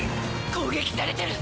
攻撃されてる！